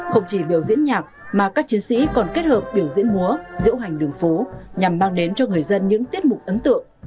không chỉ biểu diễn nhạc mà các chiến sĩ còn kết hợp biểu diễn múa diễu hành đường phố nhằm mang đến cho người dân những tiết mục ấn tượng